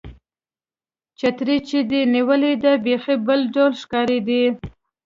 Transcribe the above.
چترۍ چې دې نیولې وه، بیخي بل ډول ښکارېدې.